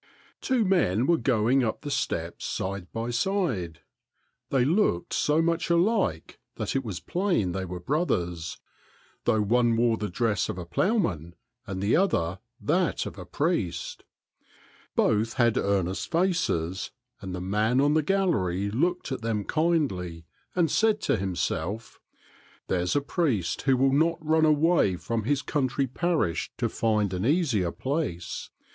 Two men were going up the steps side by side. They looked so much alike that it was plain they were bro thers, though one wore the dress of a ploughman and the other that of a priest. Both had earnest faces, and the man on the gallery looked at them kindly, and said to himself, '* There 's a priest who will not run away from his country parish to find an easier place.